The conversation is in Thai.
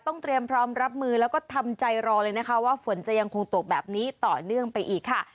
เตรียมพร้อมรับมือแล้วก็ทำใจรอเลยนะคะว่าฝนจะยังคงตกแบบนี้ต่อเนื่องไปอีกค่ะ